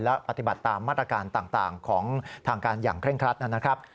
และปฏิบัติตามมาตรการต่างของทางการอย่างเคร่งครัดนะครับ